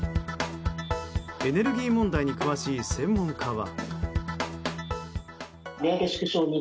エネルギー問題に詳しい専門家は。